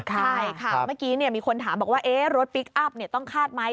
ใช่ค่ะเมื่อกี้มีคนถามบอกว่ารถพลิกอัพต้องคาดไหม